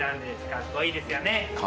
かっこいいですよね。